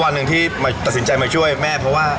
วันหนึ่งที่ตัดสินใจมาช่วยแม่เพราะว่า